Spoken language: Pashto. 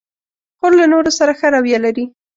خور له نورو سره ښه رویه لري.